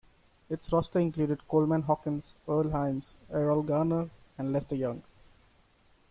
Its roster included Coleman Hawkins, Earl Hines, Erroll Garner, and Lester Young.